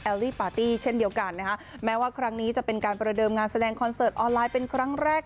ลี่ปาร์ตี้เช่นเดียวกันนะคะแม้ว่าครั้งนี้จะเป็นการประเดิมงานแสดงคอนเสิร์ตออนไลน์เป็นครั้งแรก